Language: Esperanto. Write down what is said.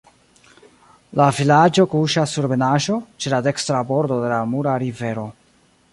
La vilaĝo kuŝas sur ebenaĵo, ĉe la dekstra bordo de la Mura Rivero.